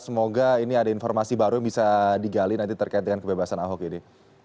semoga ini ada informasi baru yang bisa digali nanti terkait dengan kebebasan ahok ini